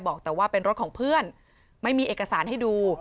บอกแต่ว่าเป็นรถของเพื่อนไม่มีเอกสารให้ดู